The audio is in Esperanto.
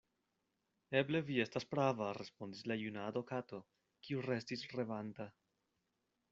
Eble vi estas prava, respondis la juna adokato, kiu restis revanta.